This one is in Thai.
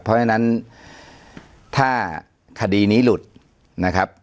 เพราะฉะนั้นถ้าคดีนี้หลุดนะครับ